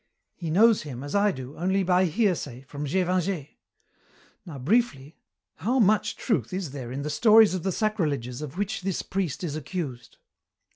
He knows him, as I do, only by hearsay, from Gévingey. Now, briefly, how much truth is there in the stories of the sacrileges of which this priest is accused?"